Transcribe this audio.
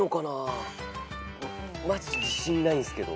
マジ自信ないんすけど。